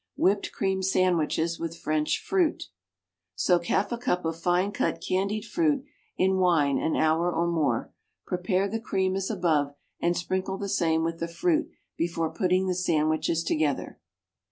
=Whipped Cream Sandwiches with French Fruit.= Soak half a cup of fine cut candied fruit in wine an hour or more. Prepare the cream as above, and sprinkle the same with the fruit before putting the sandwiches together.